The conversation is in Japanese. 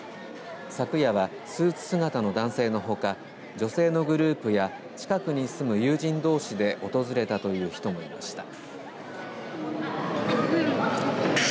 昨夜は、スーツ姿の男性のほか女性のグループや近くに住む友人どうしで訪れたという人もいました。